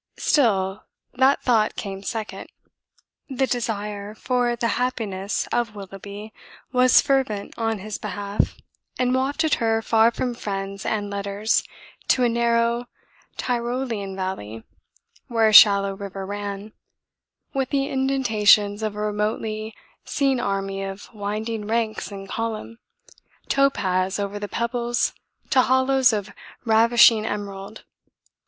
Still that thought came second. The desire for the happiness of Willoughby was fervent on his behalf and wafted her far from friends and letters to a narrow Tyrolean valley, where a shallow river ran, with the indentations of a remotely seen army of winding ranks in column, topaz over the pebbles to hollows of ravishing emerald.